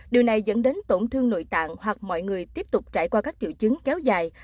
điều này dẫn đến tổn thương nội tạng hoặc mọi người tiếp tục trải qua các triệu chứng kéo dài